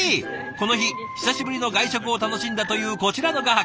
この日久しぶりの外食を楽しんだというこちらの画伯。